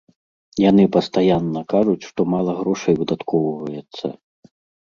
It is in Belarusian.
Яны пастаянна кажуць, што мала грошай выдаткоўваецца.